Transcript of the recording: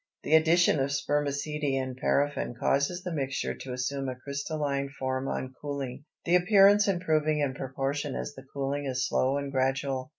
The addition of spermaceti and paraffin causes the mixture to assume a crystalline form on cooling, the appearance improving in proportion as the cooling is slow and gradual.